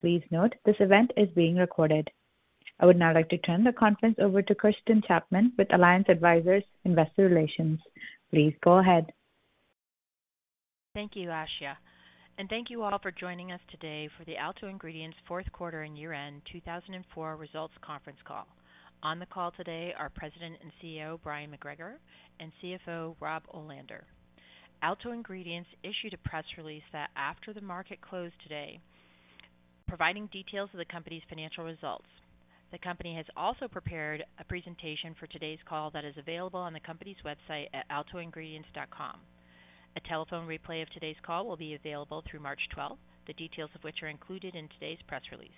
Please note, this event is being recorded. I would now like to turn the conference over to Kristen Chapman with Alliance Advisors Investor Relations. Please go ahead. Thank you, Asha. Thank you all for joining us today for the Alto Ingredients Fourth Quarter and Year End 2004 Results conference call. On the call today are President and CEO Bryon McGregor and CFO Rob Olander. Alto Ingredients issued a press release after the market closed today, providing details of the company's financial results. The company has also prepared a presentation for today's call that is available on the company's website at altoingredients.com. A telephone replay of today's call will be available through March 12th, the details of which are included in today's press release.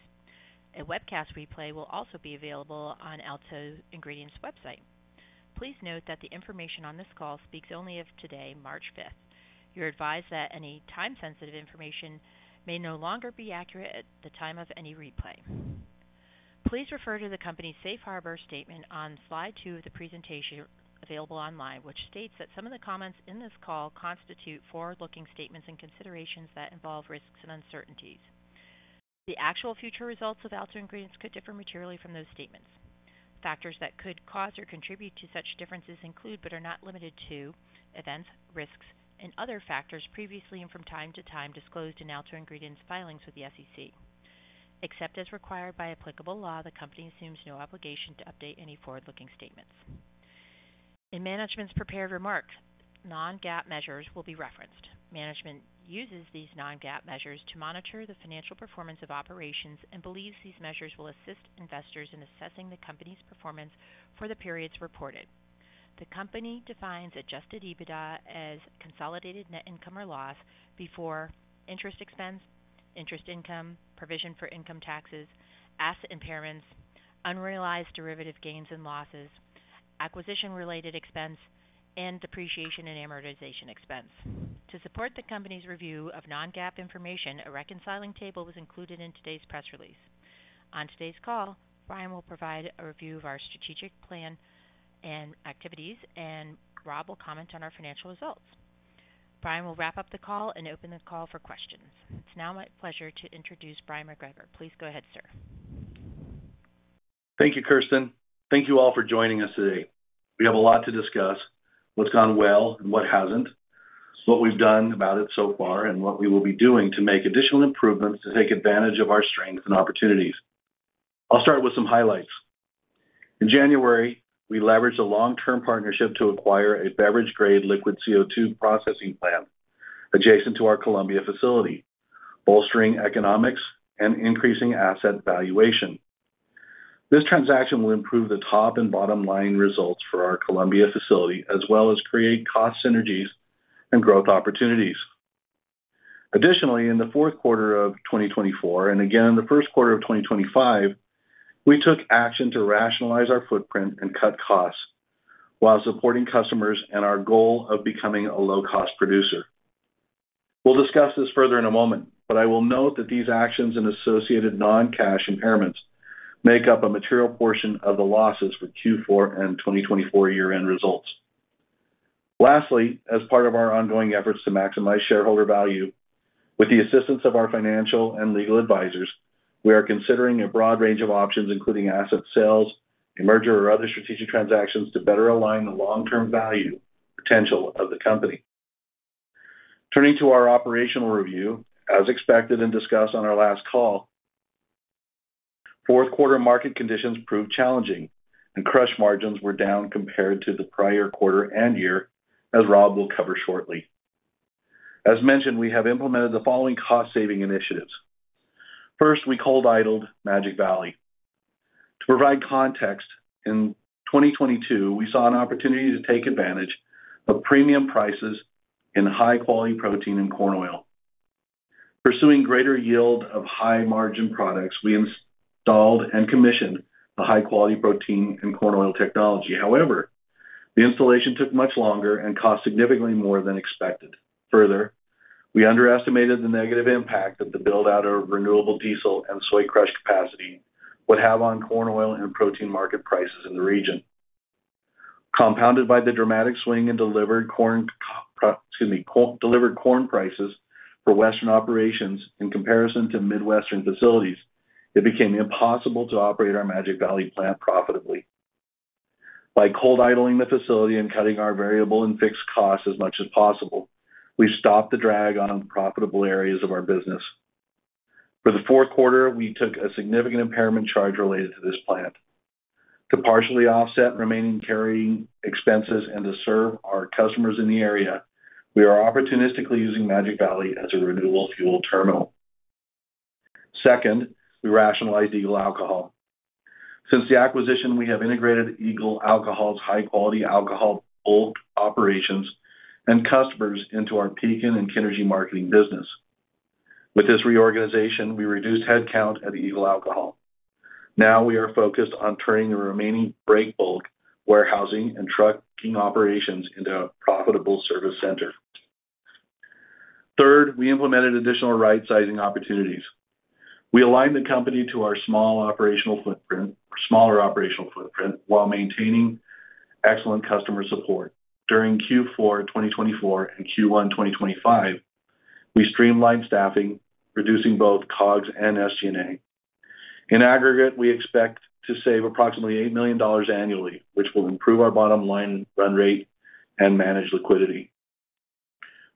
A webcast replay will also be available on Alto Ingredients' website. Please note that the information on this call speaks only as of today, March 5th. You're advised that any time-sensitive information may no longer be accurate at the time of any replay. Please refer to the company's safe harbor statement on slide two of the presentation available online, which states that some of the comments in this call constitute forward-looking statements and considerations that involve risks and uncertainties. The actual future results of Alto Ingredients could differ materially from those statements. Factors that could cause or contribute to such differences include, but are not limited to, events, risks, and other factors previously and from time to time disclosed in Alto Ingredients' filings with the SEC. Except as required by applicable law, the company assumes no obligation to update any forward-looking statements. In management's prepared remark, non-GAAP measures will be referenced. Management uses these non-GAAP measures to monitor the financial performance of operations and believes these measures will assist investors in assessing the company's performance for the periods reported. The company defines adjusted EBITDA as consolidated net income or loss before interest expense, interest income, provision for income taxes, asset impairments, unrealized derivative gains and losses, acquisition-related expense, and depreciation and amortization expense. To support the company's review of non-GAAP information, a reconciling table was included in today's press release. On today's call, Bryon will provide a review of our strategic plan and activities, and Rob will comment on our financial results. Bryon will wrap up the call and open the call for questions. It's now my pleasure to introduce Bryon McGregor. Please go ahead, sir. Thank you, Kristen. Thank you all for joining us today. We have a lot to discuss, what's gone well and what hasn't, what we've done about it so far, and what we will be doing to make additional improvements to take advantage of our strengths and opportunities. I'll start with some highlights. In January, we leveraged a long-term partnership to acquire a beverage-grade liquid CO2 processing plant adjacent to our Columbia facility, bolstering economics and increasing asset valuation. This transaction will improve the top and bottom line results for our Columbia facility as well as create cost synergies and growth opportunities. Additionally, in the fourth quarter of 2024, and again in the first quarter of 2025, we took action to rationalize our footprint and cut costs while supporting customers and our goal of becoming a low-cost producer. We'll discuss this further in a moment, but I will note that these actions and associated non-cash impairments make up a material portion of the losses for Q4 and 2024 year-end results. Lastly, as part of our ongoing efforts to maximize shareholder value, with the assistance of our financial and legal advisors, we are considering a broad range of options, including asset sales, a merger, or other strategic transactions to better align the long-term value potential of the company. Turning to our operational review, as expected and discussed on our last call, fourth quarter market conditions proved challenging and crush margins were down compared to the prior quarter and year, as Rob will cover shortly. As mentioned, we have implemented the following cost-saving initiatives. First, we cold idled Magic Valley. To provide context, in 2022, we saw an opportunity to take advantage of premium prices in high-quality protein and corn oil. Pursuing greater yield of high-margin products, we installed and commissioned the high-quality protein and corn oil technology. However, the installation took much longer and cost significantly more than expected. Further, we underestimated the negative impact that the buildout of renewable diesel and soy crush capacity would have on corn oil and protein market prices in the region. Compounded by the dramatic swing in delivered corn prices for Western operations in comparison to Midwestern facilities, it became impossible to operate our Magic Valley plant profitably. By cold idling the facility and cutting our variable and fixed costs as much as possible, we stopped the drag on profitable areas of our business. For the fourth quarter, we took a significant impairment charge related to this plant. To partially offset remaining carrying expenses and to serve our customers in the area, we are opportunistically using Magic Valley as a renewable fuel terminal. Second, we rationalized Eagle Alcohol. Since the acquisition, we have integrated Eagle Alcohol's high-quality alcohol bulk operations and customers into our Pekin and Kinergy marketing business. With this reorganization, we reduced headcount at Eagle Alcohol. Now we are focused on turning the remaining break bulk warehousing and trucking operations into a profitable service center. Third, we implemented additional right-sizing opportunities. We aligned the company to our small operational footprint while maintaining excellent customer support. During Q4 2024 and Q1 2025, we streamlined staffing, reducing both COGS and SG&A. In aggregate, we expect to save approximately $8 million annually, which will improve our bottom line run rate and manage liquidity.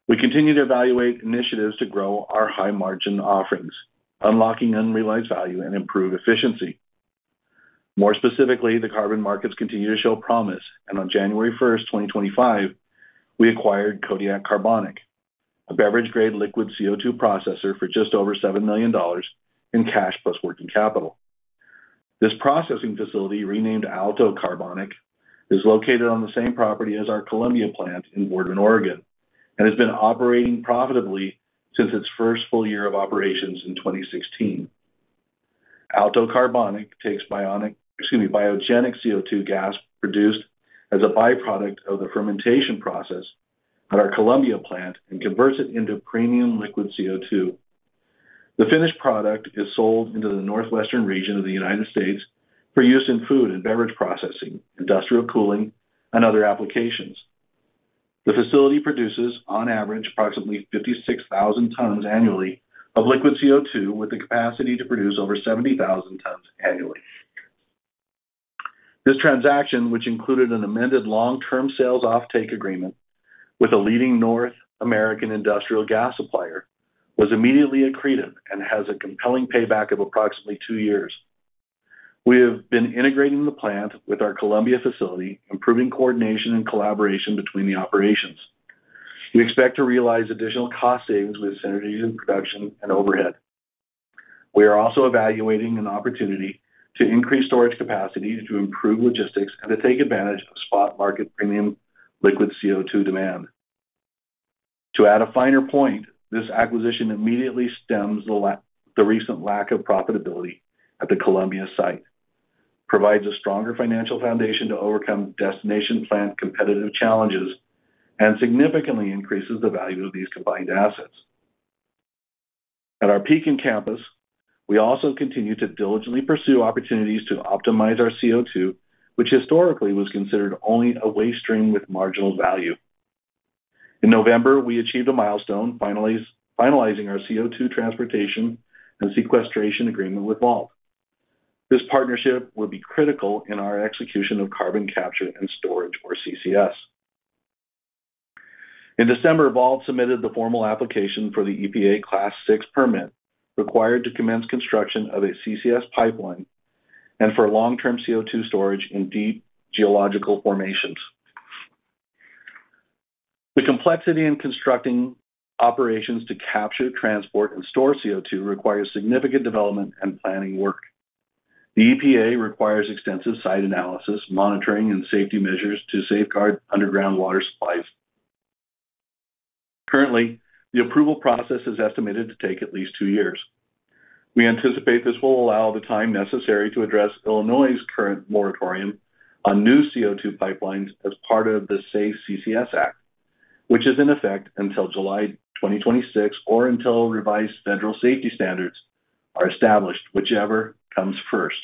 We continue to evaluate initiatives to grow our high-margin offerings, unlocking unrealized value and improve efficiency. More specifically, the carbon markets continue to show promise, and on January 1, 2025, we acquired Kodiak Carbonic, a beverage-grade liquid CO2 processor for just over $7 million in cash plus working capital. This processing facility, renamed Alto Carbonic, is located on the same property as our Columbia plant in Boardman, Oregon, and has been operating profitably since its first full year of operations in 2016. Alto Carbonic takes biogenic CO2 gas produced as a byproduct of the fermentation process at our Columbia plant and converts it into premium liquid CO2. The finished product is sold into the northwestern region of the United States for use in food and beverage processing, industrial cooling, and other applications. The facility produces, on average, approximately 56,000 tons annually of liquid CO2, with the capacity to produce over 70,000 tons annually. This transaction, which included an amended long-term sales offtake agreement with a leading North American industrial gas supplier, was immediately accretive and has a compelling payback of approximately two years. We have been integrating the plant with our Columbia facility, improving coordination and collaboration between the operations. We expect to realize additional cost savings with synergies in production and overhead. We are also evaluating an opportunity to increase storage capacity to improve logistics and to take advantage of spot market premium liquid CO2 demand. To add a finer point, this acquisition immediately stems the recent lack of profitability at the Columbia site, provides a stronger financial foundation to overcome destination plant competitive challenges, and significantly increases the value of these combined assets. At our Pekin campus, we also continue to diligently pursue opportunities to optimize our CO2, which historically was considered only a waste stream with marginal value. In November, we achieved a milestone, finalizing our CO2 transportation and sequestration agreement with Vault. This partnership will be critical in our execution of carbon capture and storage, or CCS. In December, Vault submitted the formal application for the EPA Class VI permit required to commence construction of a CCS pipeline and for long-term CO2 storage in deep geological formations. The complexity in constructing operations to capture, transport, and store CO2 requires significant development and planning work. The EPA requires extensive site analysis, monitoring, and safety measures to safeguard underground water supplies. Currently, the approval process is estimated to take at least two years. We anticipate this will allow the time necessary to address Illinois' current moratorium on new CO2 pipelines as part of the SAFE CCS Act, which is in effect until July 2026 or until revised federal safety standards are established, whichever comes first.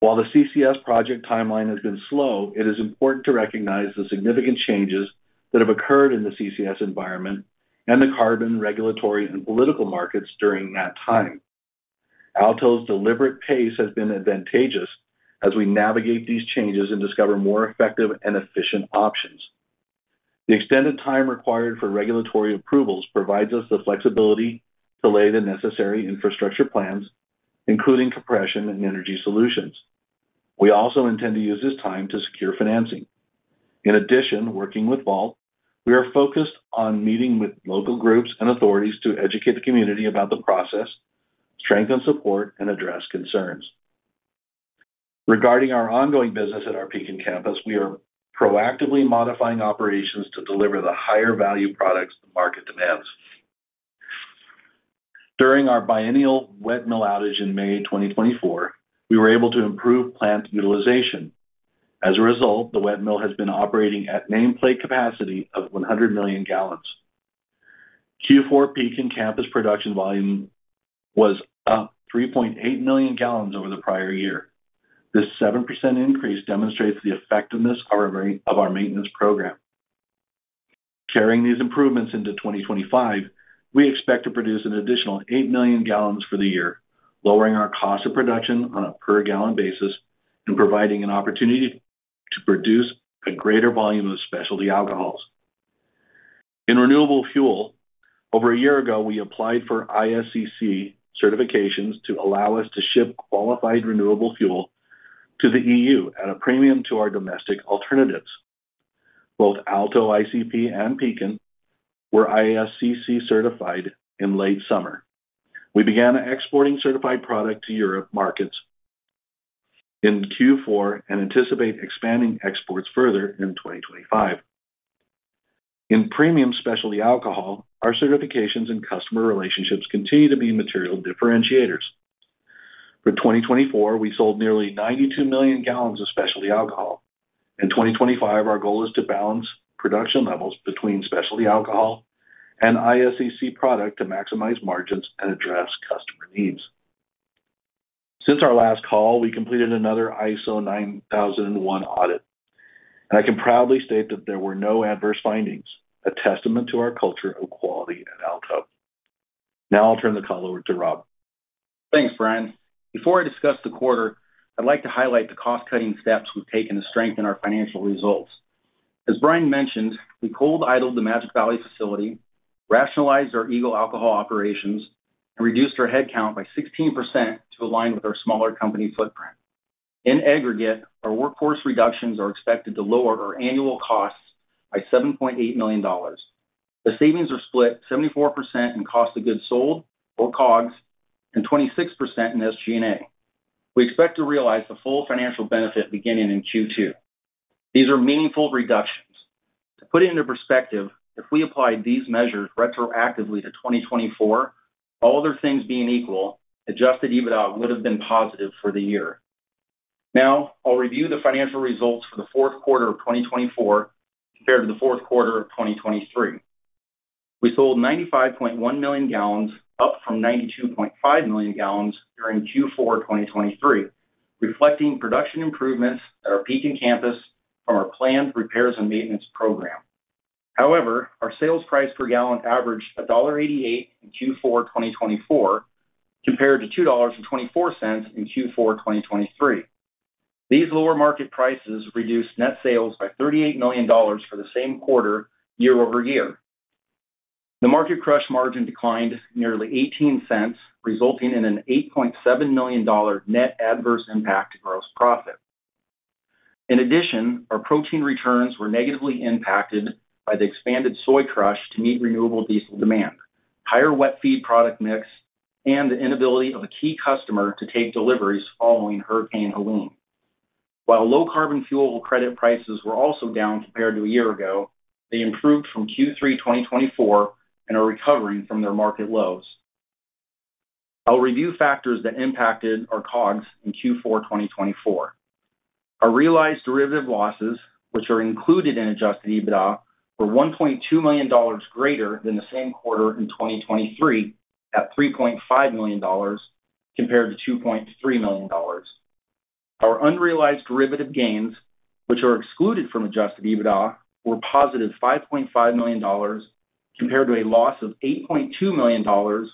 While the CCS project timeline has been slow, it is important to recognize the significant changes that have occurred in the CCS environment and the carbon, regulatory, and political markets during that time. Alto's deliberate pace has been advantageous as we navigate these changes and discover more effective and efficient options. The extended time required for regulatory approvals provides us the flexibility to lay the necessary infrastructure plans, including compression and energy solutions. We also intend to use this time to secure financing. In addition, working with Vault, we are focused on meeting with local groups and authorities to educate the community about the process, strengthen support, and address concerns. Regarding our ongoing business at our Pekin campus, we are proactively modifying operations to deliver the higher-value products the market demands. During our biennial wet mill outage in May 2024, we were able to improve plant utilization. As a result, the wet mill has been operating at nameplate capacity of 100 million gallons. Q4 Pekin campus production volume was up 3.8 million gallons over the prior year. This 7% increase demonstrates the effectiveness of our maintenance program. Carrying these improvements into 2025, we expect to produce an additional 8 million gallons for the year, lowering our cost of production on a per-gallon basis and providing an opportunity to produce a greater volume of specialty alcohols. In renewable fuel, over a year ago, we applied for ISCC certifications to allow us to ship qualified renewable fuel to the EU at a premium to our domestic alternatives. Both Alto ICP and Pekin were ISCC certified in late summer. We began exporting certified product to Europe markets in Q4 and anticipate expanding exports further in 2025. In premium specialty alcohol, our certifications and customer relationships continue to be material differentiators. For 2024, we sold nearly 92 million gallons of specialty alcohol. In 2025, our goal is to balance production levels between specialty alcohol and ISCC product to maximize margins and address customer needs. Since our last call, we completed another ISO 9001 audit, and I can proudly state that there were no adverse findings, a testament to our culture of quality at Alto. Now I'll turn the call over to Rob. Thanks, Bryon. Before I discuss the quarter, I'd like to highlight the cost-cutting steps we've taken to strengthen our financial results. As Bryon mentioned, we cold idled the Magic Valley facility, rationalized our Eagle Alcohol operations, and reduced our headcount by 16% to align with our smaller company footprint. In aggregate, our workforce reductions are expected to lower our annual costs by $7.8 million. The savings are split 74% in cost of goods sold or COGS and 26% in SG&A. We expect to realize the full financial benefit beginning in Q2. These are meaningful reductions. To put it into perspective, if we applied these measures retroactively to 2024, all other things being equal, adjusted EBITDA would have been positive for the year. Now I'll review the financial results for the fourth quarter of 2024 compared to the fourth quarter of 2023. We sold 95.1 million gallons, up from 92.5 million gallons during Q4 2023, reflecting production improvements at our Pekin campus from our planned repairs and maintenance program. However, our sales price per gallon averaged $1.88 in Q4 2024 compared to $2.24 in Q4 2023. These lower market prices reduced net sales by $38 million for the same quarter year-over-year. The market crush margin declined nearly 18 cents, resulting in an $8.7 million net adverse impact to gross profit. In addition, our protein returns were negatively impacted by the expanded soy crush to meet renewable diesel demand, higher wet feed product mix, and the inability of a key customer to take deliveries following Hurricane Helene. While low carbon fuel credit prices were also down compared to a year ago, they improved from Q3 2024 and are recovering from their market lows. I'll review factors that impacted our COGS in Q4 2024. Our realized derivative losses, which are included in adjusted EBITDA, were $1.2 million greater than the same quarter in 2023 at $3.5 million compared to $2.3 million. Our unrealized derivative gains, which are excluded from adjusted EBITDA, were positive $5.5 million compared to a loss of $8.2 million,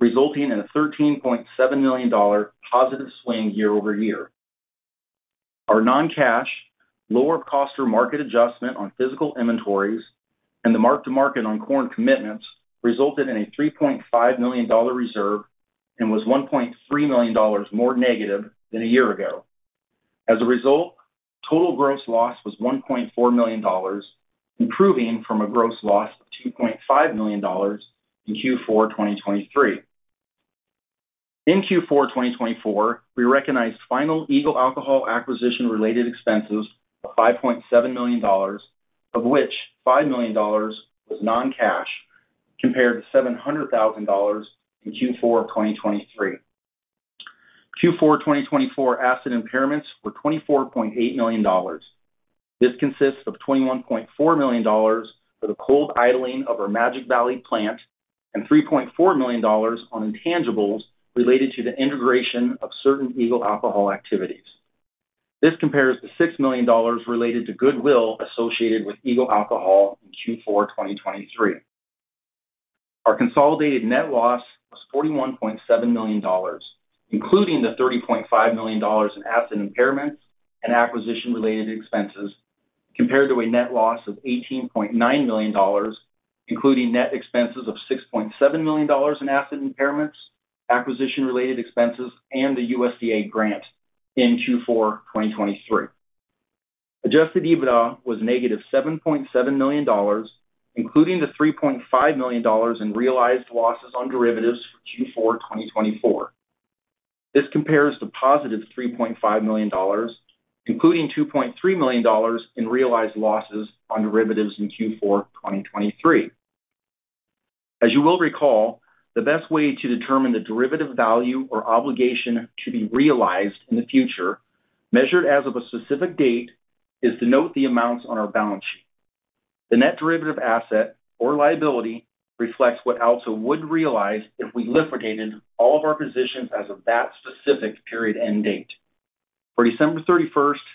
resulting in a $13.7 million positive swing year-over-year. Our non-cash, lower-cost-to-market adjustment on physical inventories and the mark-to-market on corn commitments resulted in a $3.5 million reserve and was $1.3 million more negative than a year ago. As a result, total gross loss was $1.4 million, improving from a gross loss of $2.5 million in Q4 2023. In Q4 2024, we recognized final Eagle Alcohol acquisition-related expenses of $5.7 million, of which $5 million was non-cash compared to $700,000 in Q4 2023. Q4 2024 asset impairments were $24.8 million. This consists of $21.4 million for the cold idling of our Magic Valley plant and $3.4 million on intangibles related to the integration of certain Eagle Alcohol activities. This compares to $6 million related to goodwill associated with Eagle Alcohol in Q4 2023. Our consolidated net loss was $41.7 million, including the $30.5 million in asset impairments and acquisition-related expenses, compared to a net loss of $18.9 million, including net expenses of $6.7 million in asset impairments, acquisition-related expenses, and the USDA grant in Q4 2023. Adjusted EBITDA was -$7.7 million, including the $3.5 million in realized losses on derivatives for Q4 2024. This compares to +$3.5 million, including $2.3 million in realized losses on derivatives in Q4 2023. As you will recall, the best way to determine the derivative value or obligation to be realized in the future, measured as of a specific date, is to note the amounts on our balance sheet. The net derivative asset or liability reflects what Alto would realize if we liquidated all of our positions as of that specific period end date. For December 31,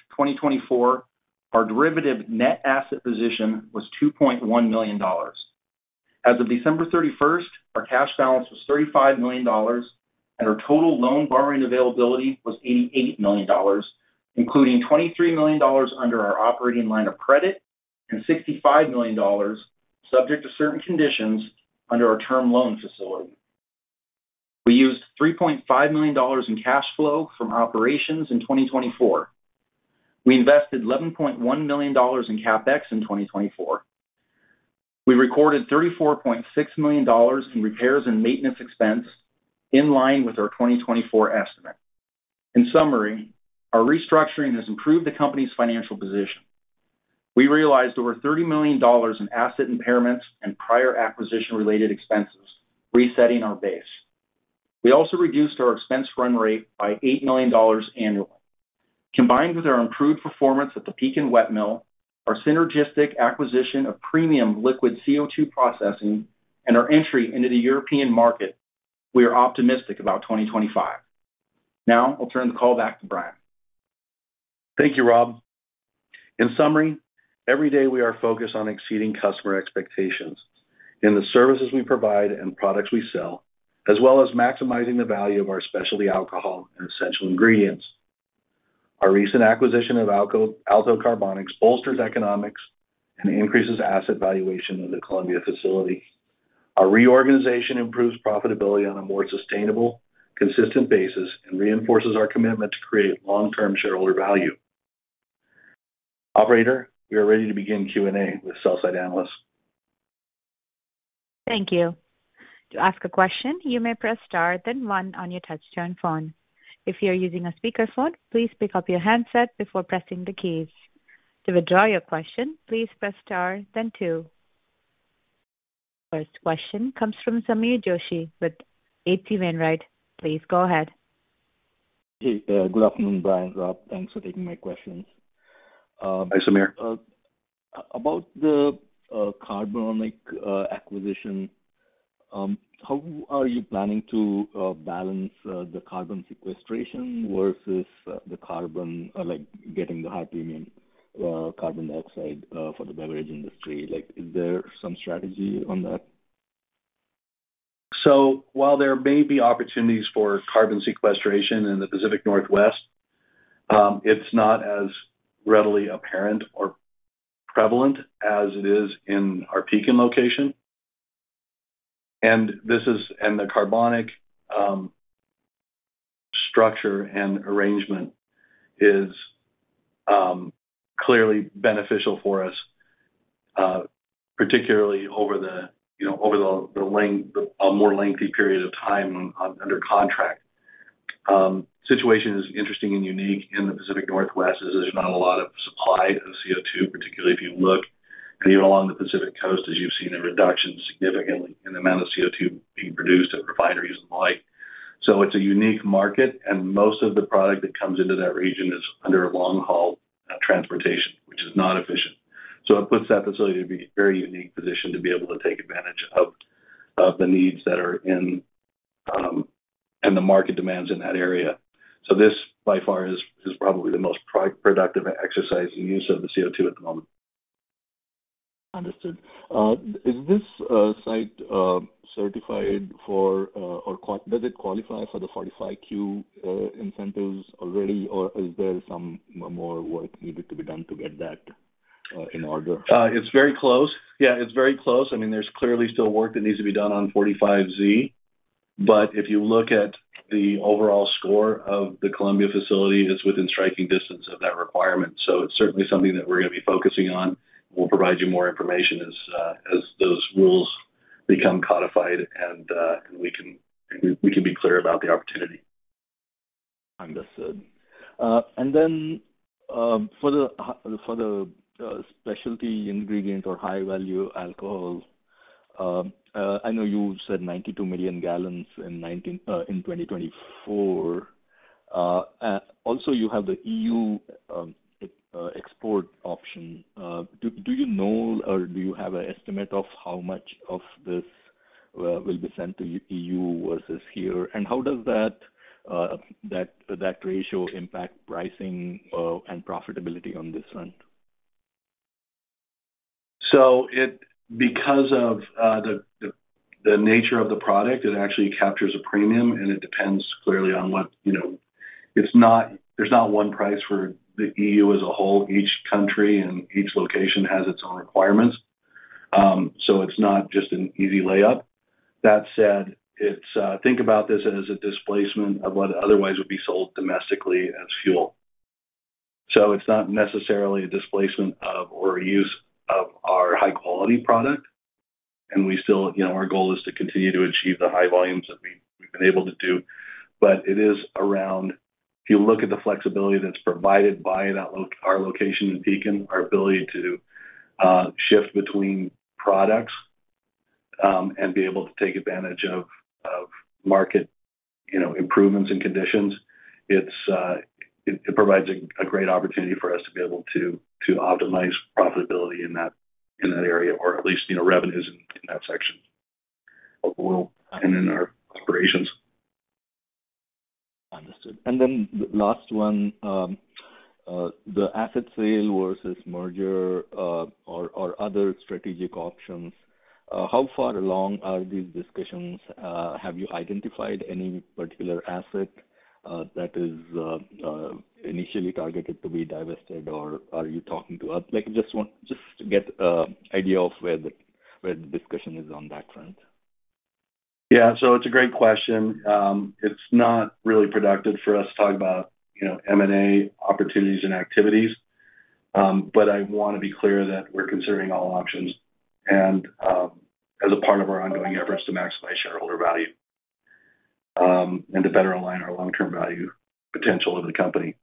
2024, our derivative net asset position was $2.1 million. As of December 31, our cash balance was $35 million, and our total loan borrowing availability was $88 million, including $23 million under our operating line of credit and $65 million, subject to certain conditions under our term loan facility. We used $3.5 million in cash flow from operations in 2024. We invested $11.1 million in CapEx in 2024. We recorded $34.6 million in repairs and maintenance expense, in line with our 2024 estimate. In summary, our restructuring has improved the company's financial position. We realized over $30 million in asset impairments and prior acquisition-related expenses, resetting our base. We also reduced our expense run rate by $8 million annually. Combined with our improved performance at the Pekin wet mill, our synergistic acquisition of premium liquid CO2 processing, and our entry into the European market, we are optimistic about 2025. Now I'll turn the call back to Bryon. Thank you, Rob. In summary, every day we are focused on exceeding customer expectations in the services we provide and products we sell, as well as maximizing the value of our specialty alcohol and essential ingredients. Our recent acquisition of Alto Carbonic bolsters economics and increases asset valuation in the Columbia facility. Our reorganization improves profitability on a more sustainable, consistent basis and reinforces our commitment to create long-term shareholder value. Operator, we are ready to begin Q&A with sell-side analysts. Thank you. To ask a question, you may press star, then one on your touch-tone phone. If you're using a speakerphone, please pick up your handset before pressing the keys. To withdraw your question, please press star, then two. First question comes from Sameer Joshi with H.C. Wainwright. Please go ahead. Hey, good afternoon, Bryon, Rob. Thanks for taking my questions. Hi, Sameer. About the carbon acquisition, how are you planning to balance the carbon sequestration versus the carbon, like getting the high premium carbon dioxide for the beverage industry? Is there some strategy on that? While there may be opportunities for carbon sequestration in the Pacific Northwest, it's not as readily apparent or prevalent as it is in our Pekin location. The carbonic structure and arrangement is clearly beneficial for us, particularly over the more lengthy period of time under contract. The situation is interesting and unique in the Pacific Northwest as there's not a lot of supply of CO2, particularly if you look even along the Pacific coast, as you've seen a reduction significantly in the amount of CO2 being produced at refineries and the like. It's a unique market, and most of the product that comes into that region is under long-haul transportation, which is not efficient. It puts that facility in a very unique position to be able to take advantage of the needs that are in and the market demands in that area. This, by far, is probably the most productive exercise in use of the CO2 at the moment. Understood. Is this site certified for, or does it qualify for the 45Q incentives already, or is there some more work needed to be done to get that in order? It's very close. Yeah, it's very close. I mean, there's clearly still work that needs to be done on 45Z, but if you look at the overall score of the Columbia facility, it's within striking distance of that requirement. It is certainly something that we're going to be focusing on. We'll provide you more information as those rules become codified, and we can be clear about the opportunity. Understood. For the specialty ingredient or high-value alcohol, I know you said 92 million gallons in 2024. Also, you have the EU export option. Do you know, or do you have an estimate of how much of this will be sent to EU versus here? How does that ratio impact pricing and profitability on this front? Because of the nature of the product, it actually captures a premium, and it depends clearly on what—there's not one price for the EU as a whole. Each country and each location has its own requirements. It's not just an easy layup. That said, think about this as a displacement of what otherwise would be sold domestically as fuel. It's not necessarily a displacement of or a use of our high-quality product. Our goal is to continue to achieve the high volumes that we've been able to do. It is around, if you look at the flexibility that's provided by our location in Pekin, our ability to shift between products and be able to take advantage of market improvements and conditions, it provides a great opportunity for us to be able to optimize profitability in that area, or at least revenues in that section and in our operations. Understood. The last one, the asset sale versus merger or other strategic options. How far along are these discussions? Have you identified any particular asset that is initially targeted to be divested, or are you talking just to get an idea of where the discussion is on that front? Yeah. It's a great question. It's not really productive for us to talk about M&A opportunities and activities, but I want to be clear that we're considering all options as a part of our ongoing efforts to maximize shareholder value and to better align our long-term value potential of the company.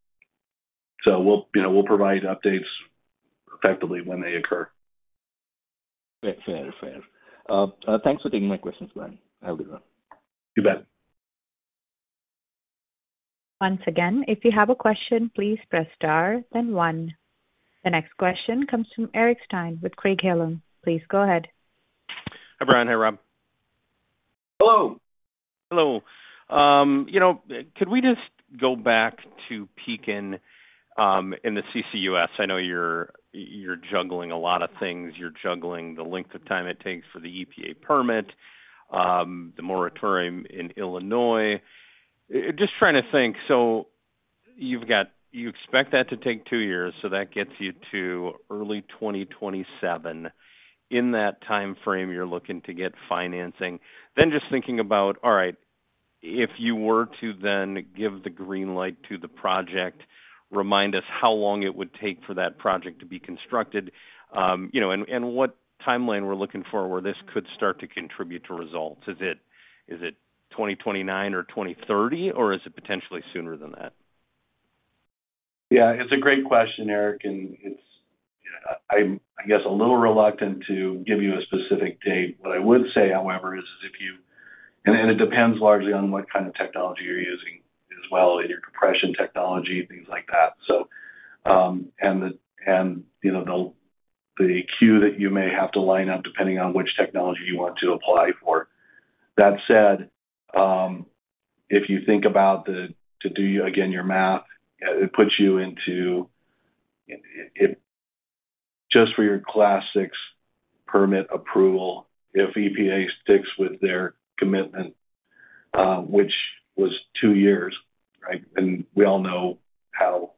We'll provide updates effectively when they occur. Fair, fair, fair. Thanks for taking my questions, Bryon. Have a good one. You bet. Once again, if you have a question, please press star, then one. The next question comes from Eric Stine with Craig-Hallum. Please go ahead. Hi, Bryon. Hi, Rob. Hello. Hello. Could we just go back to Pekin in the CCUS? I know you're juggling a lot of things. You're juggling the length of time it takes for the EPA permit, the moratorium in Illinois. Just trying to think. You expect that to take two years, so that gets you to early 2027. In that timeframe, you're looking to get financing. Just thinking about, all right, if you were to then give the green light to the project, remind us how long it would take for that project to be constructed, and what timeline we're looking for where this could start to contribute to results. Is it 2029 or 2030, or is it potentially sooner than that? Yeah. It's a great question, Eric, and I guess a little reluctant to give you a specific date. What I would say, however, is if you—and it depends largely on what kind of technology you're using as well, your compression technology, things like that. The queue that you may have to line up depending on which technology you want to apply for. That said, if you think about to do, again, your math, it puts you into just for your class VI permit approval, if EPA sticks with their commitment, which was two years, right? We all know how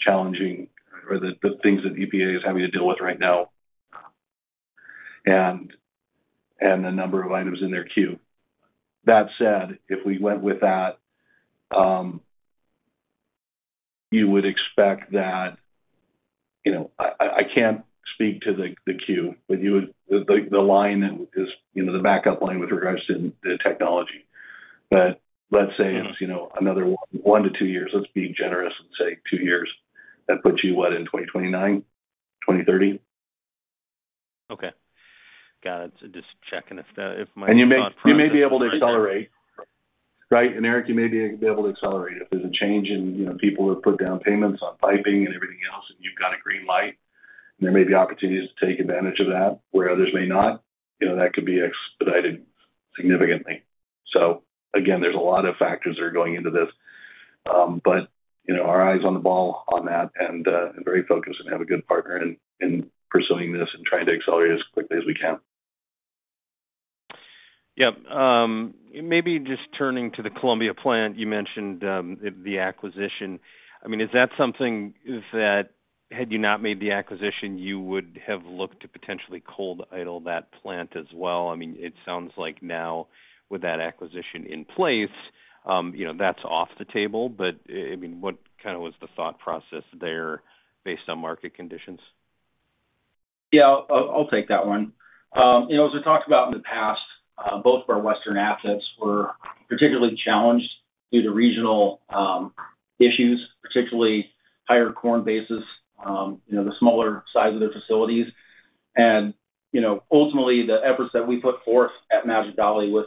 challenging or the things that EPA is having to deal with right now and the number of items in their queue. That said, if we went with that, you would expect that I can't speak to the queue, but the line that is the backup line with regards to the technology. Let's say it's another one to two years. Let's be generous and say two years. That puts you what? In 2029, 2030? Okay. Got it. Just checking if my thought. You may be able to accelerate, right? Eric, you may be able to accelerate if there is a change in people that put down payments on piping and everything else, and you have got a green light, and there may be opportunities to take advantage of that where others may not. That could be expedited significantly. There are a lot of factors that are going into this, but our eyes are on the ball on that and very focused and have a good partner in pursuing this and trying to accelerate as quickly as we can. Yeah. Maybe just turning to the Columbia plant, you mentioned the acquisition. I mean, is that something that had you not made the acquisition, you would have looked to potentially cold idle that plant as well? I mean, it sounds like now, with that acquisition in place, that's off the table. I mean, what kind of was the thought process there based on market conditions? Yeah. I'll take that one. As we talked about in the past, both of our western assets were particularly challenged due to regional issues, particularly higher corn bases, the smaller size of their facilities. Ultimately, the efforts that we put forth at Magic Valley with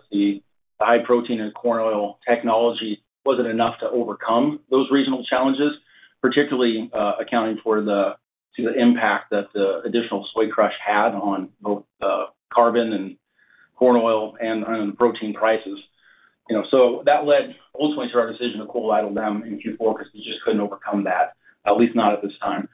the high protein and corn oil technology wasn't enough to overcome those regional challenges, particularly accounting for the impact that the additional soy crush had on both carbon and corn oil and on the protein prices. That led ultimately to our decision to cold idle them in Q4 because we just couldn't overcome that, at least not at this time.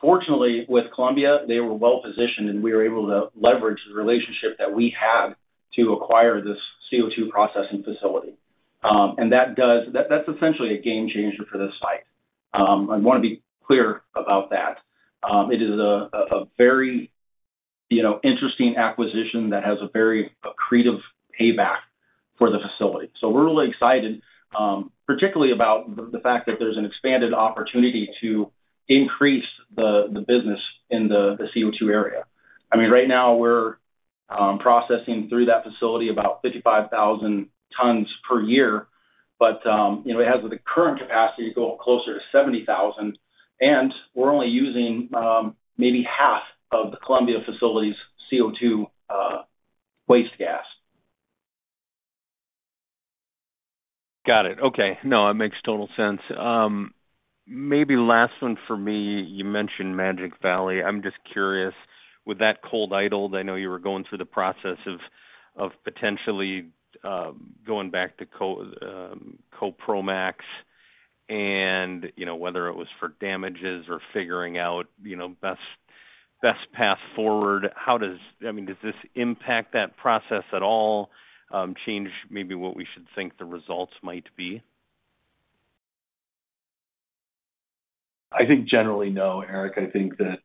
Fortunately, with Columbia, they were well positioned, and we were able to leverage the relationship that we had to acquire this CO2 processing facility. That's essentially a game changer for this site. I want to be clear about that. It is a very interesting acquisition that has a very accretive payback for the facility. We are really excited, particularly about the fact that there is an expanded opportunity to increase the business in the CO2 area. I mean, right now, we are processing through that facility about 55,000 tons per year, but it has the current capacity to go up closer to 70,000. We are only using maybe half of the Columbia facility's CO2 waste gas. Got it. Okay. No, it makes total sense. Maybe last one for me, you mentioned Magic Valley. I'm just curious, with that cold idled, I know you were going through the process of potentially going back to CoProMax and whether it was for damages or figuring out best path forward. I mean, does this impact that process at all? Change maybe what we should think the results might be? I think generally, no, Eric. I think that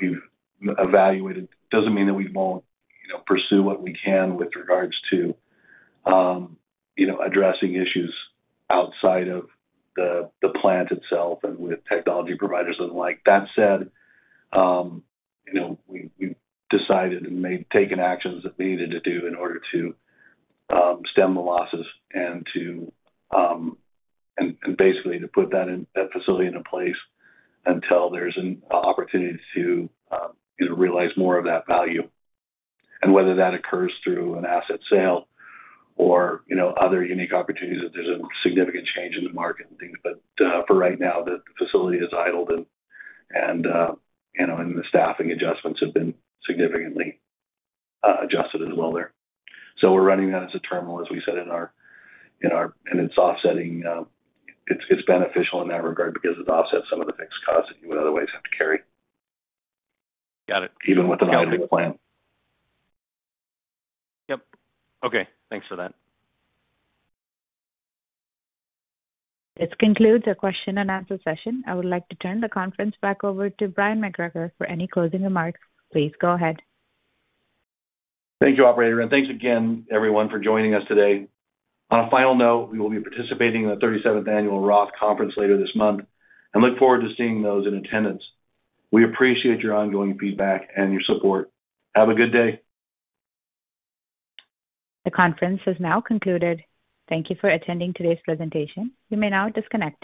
we've evaluated. It doesn't mean that we won't pursue what we can with regards to addressing issues outside of the plant itself and with technology providers and the like. That said, we've decided and taken actions that we needed to do in order to stem the losses and basically to put that facility into place until there's an opportunity to realize more of that value. Whether that occurs through an asset sale or other unique opportunities, if there's a significant change in the market and things. For right now, the facility is idled, and the staffing adjustments have been significantly adjusted as well there. We are running that as a terminal, as we said, in our—and it's offsetting. It's beneficial in that regard because it offsets some of the fixed costs that you would otherwise have to carry. Got it. Even with an idling plant. Yep. Okay. Thanks for that. This concludes our question and answer session. I would like to turn the conference back over to Bryon McGregor for any closing remarks. Please go ahead. Thank you, operator. Thank you again, everyone, for joining us today. On a final note, we will be participating in the 37th Annual Roth Conference later this month and look forward to seeing those in attendance. We appreciate your ongoing feedback and your support. Have a good day. The conference has now concluded. Thank you for attending today's presentation. You may now disconnect.